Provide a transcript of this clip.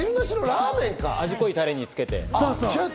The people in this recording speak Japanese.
味が濃いタレにつけて。